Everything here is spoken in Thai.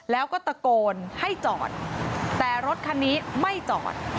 แล้วก็ตะโกนให้จอดแต่รถคันนี้ไม่จอด